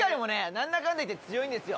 なんだかんだ言って強いんですよ。